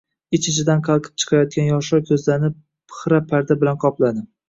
Ich-ichidan qalqib chiqayotgan yoshlar koʻzlarini xira parda bilan qopladi.